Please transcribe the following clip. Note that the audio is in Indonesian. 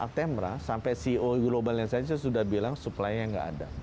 actemra sampai ceo global nesan sudah bilang supply nya tidak ada